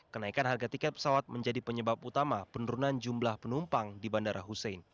kenaikan harga tiket pesawat menjadi penyebab utama penurunan jumlah penumpang di bandara hussein